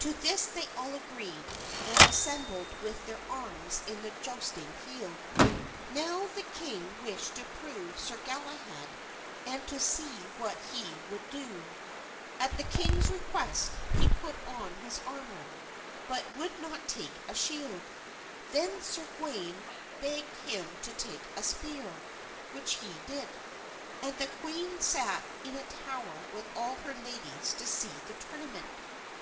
To this they all agreed, and assembled with their arms in the jousting field. Now the king wished to prove Sir Galahad and to see what he would do. At the king's request he put on his armor, but would not take a shield. Then Sir Gawain begged him to take a spear, which he did. And the queen sat in a tower with all her ladies to see the tournament.